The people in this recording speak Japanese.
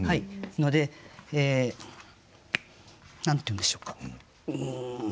ので何と言うんでしょうか。